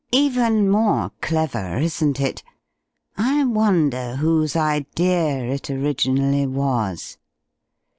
Even more clever, isn't it? I wonder whose idea it originally was."